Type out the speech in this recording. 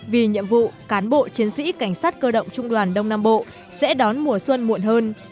vì nhiệm vụ cán bộ chiến sĩ cảnh sát cơ động trung đoàn đông nam bộ sẽ đón mùa xuân muộn hơn